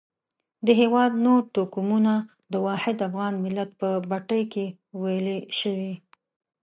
د هېواد نور توکمونه د واحد افغان ملت په بټۍ کې ویلي شوي.